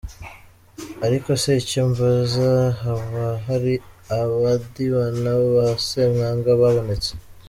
Arikose icyo mbaza habahari abandibana ba semwanga babonetse?.